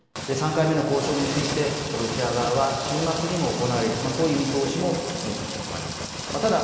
３回目の交渉についてロシア側は週末にも行われる、こういう見通しも示しました。